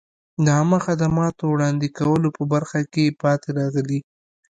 د عامه خدماتو وړاندې کولو په برخه کې پاتې راغلي.